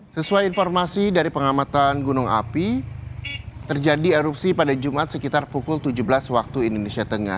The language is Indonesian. sesuai informasi dari pengamatan gunung api terjadi erupsi pada jumat sekitar pukul tujuh belas waktu indonesia tengah